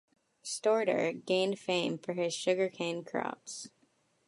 Storter gained fame for his sugar cane crops.